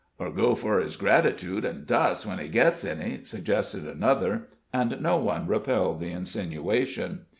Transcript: "Ur go fur his gratitude and dust, when he gets any," suggested another, and no one repelled the insinuation.